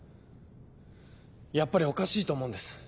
やっぱりおかしいと思うんです。